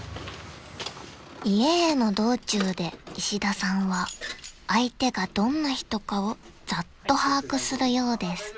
［家への道中で石田さんは相手がどんな人かをざっと把握するようです］